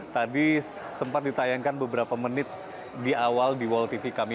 tadi sempat ditayangkan beberapa menit di awal di wall tv kami